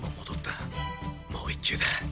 もう１球だ。